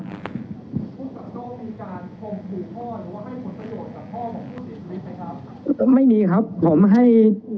ผู้กับจ้อมีการชมผิวจ้อหรือว่าให้หมดประโยชน์กับจ้อของผู้สิทธิ์ไหมครับ